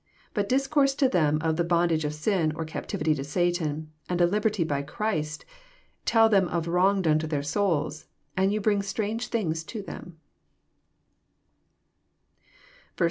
But discourse to them of the bondage of sin, or captivity to Satan, and a liberty by Christ, — tell them of wrong done to their souls, and you bring strange things to them.